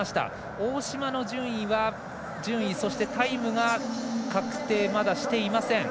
大島の順位、そしてタイムが確定していません。